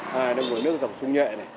hai là nguồn nước dòng súng nhệ này